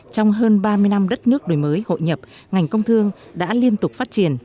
trong hơn ba mươi năm đất nước đổi mới hội nhập ngành công thương đã liên tục phát triển